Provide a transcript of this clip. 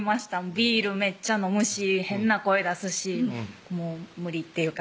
ビールめっちゃ飲むし変な声出すしもう無理っていうか